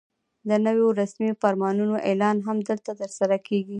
د نویو رسمي فرمانونو اعلان هم دلته ترسره کېږي.